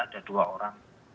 ada dua orang